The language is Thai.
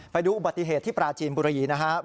ไปดูอุบัติเหตุที่ปราจีนบุรีนะครับ